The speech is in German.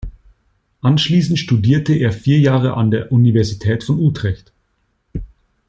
Anschließend studierte er vier Jahre an der Universität von Utrecht.